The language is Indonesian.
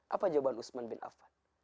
apa jawaban usman bin afan